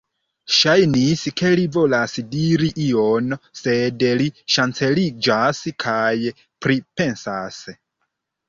Ŝajnis, ke li volas diri ion, sed li ŝanceliĝas kaj pripensas.